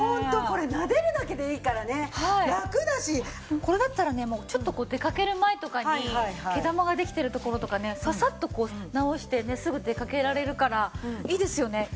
これだったらねちょっと出かける前とかに毛玉ができてるところとかねササッと直してすぐ出かけられるからいいですよね。